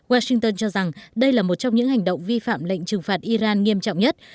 washington cho rằng đây là một trong những hành động vi phạm lệnh trừng phạt iran nghiêm trọng nhất